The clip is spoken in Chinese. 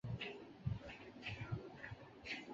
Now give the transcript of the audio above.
於是自己慢慢走回屋内